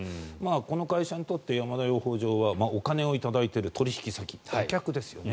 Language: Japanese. この会社にとって山田養蜂場はお金を頂いている取引先、お客ですよね。